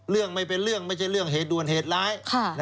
เรื่องไม่เป็นเรื่องไม่ใช่เรื่องเหตุด่วนเหตุร้าย